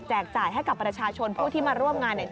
จ่ายให้กับประชาชนผู้ที่มาร่วมงานเนี่ย